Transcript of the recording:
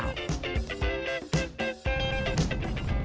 cara menikmati keindahan pulau di karimun jawa